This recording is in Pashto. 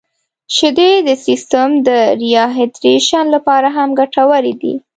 • شیدې د سیستم د ریهایدریشن لپاره هم ګټورې دي.